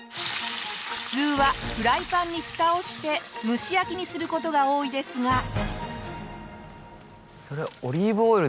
普通はフライパンにふたをして蒸し焼きにする事が多いですが。